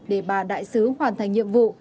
để bà đại sứ hoàn thành nhiệm vụ